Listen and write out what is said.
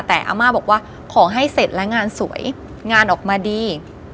แต่อาม่าบอกว่าขอให้เสร็จและงานสวยงานออกมาดี